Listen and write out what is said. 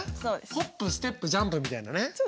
ホップステップジャンプみたいなね。